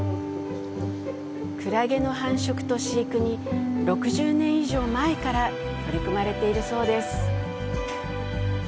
クラゲの繁殖と飼育に６０年以上前から取り組まれているそうです。